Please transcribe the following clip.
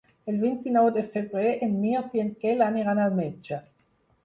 El vint-i-nou de febrer en Mirt i en Quel aniran al metge.